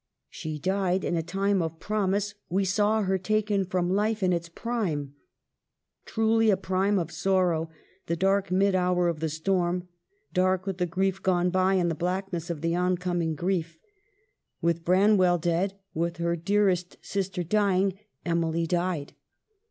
" She died in a time of promise. We saw her taken from life in its prime." Truly a prime of sorrow, the dark mid hour of the storm, dark with the grief gone by and the blackness of the on coming grief. With Bran FINIS. 313 well dead, with her dearest sister dying, Emily died.